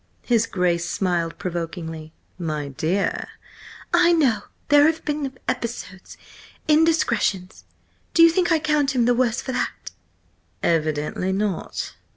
His Grace smiled provokingly. "My dear—!" "Oh, I know there have been episodes–indiscretions. Do you think I count him the worse for that?" "Evidently not."